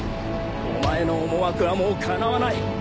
お前の思惑はもう叶わない。